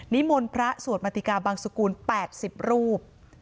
มนต์พระสวดมาติกาบังสุกุล๘๐รูป